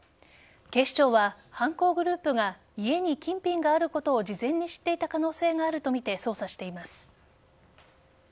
警視庁は、犯行グループが家に金品があることを事前に知っていた可能性があるとみて捜査しています。